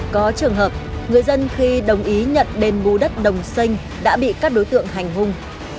có trường hợp người dân khi đồng ý nhận đền bù đất đồng sinh đã bị các đối tượng hành hung